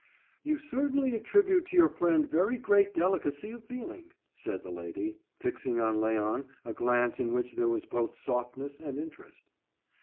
"You certainly attribute to your friend very great delicacy of feeling," said the lady, fixing on Léon a glance in which there was both softness and interest.